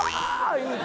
言うて。